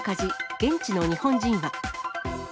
現地の日本人は。